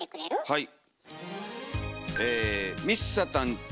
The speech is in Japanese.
はい。